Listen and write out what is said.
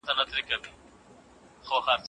که ټيکه نه ږدم لالی بيا مسافر ځينه